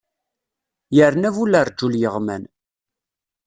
Yerna bu lerjul yeɣman.